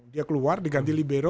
dia keluar diganti libero